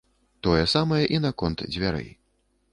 Тое самае і наконт дзвярэй.